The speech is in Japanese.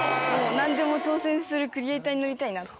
何でも挑戦するクリエイターになりたいなって。